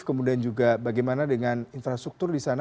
kemudian juga bagaimana dengan infrastruktur di sana